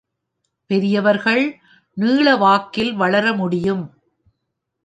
பெரியவர்கள் நீளவாக்கில் வளர முடியும்.